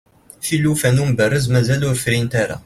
tilufa n umberrez mazal ur frint ara